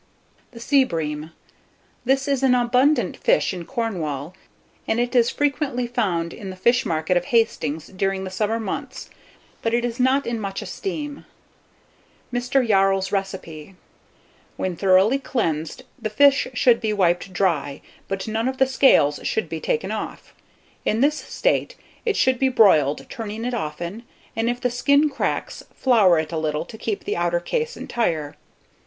THE SEA BREAM. This is an abundant fish in Cornwall, and it is frequently found in the fish market of Hastings during the summer months, but it is not in much esteem. MR. YARRELL'S RECIPE. "When thoroughly cleansed, the fish should be wiped dry, but none of the scales should be taken off. In this state it should be broiled, turning it often, and if the skin cracks, flour it a little to keep the outer case entire.